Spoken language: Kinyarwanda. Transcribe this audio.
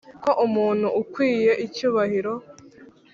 ko umuntu ukwiye icyubahiro